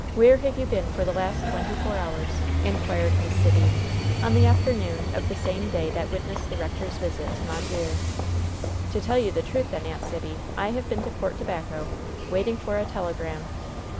Where have you been for the last twenty four hours?" inquired Miss Sibby, on the afternoon of the same day that witnessed the rector's visit to Mondreer. "To tell you the truth, then, Aunt Sibby, I have been to Port Tobacco, waiting for a telegram."